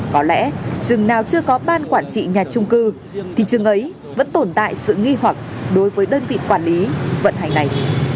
có lẽ rừng nào chưa có ban quản trị nhà trung cư thì chừng ấy vẫn tồn tại sự nghi hoặc đối với đơn vị quản lý vận hành này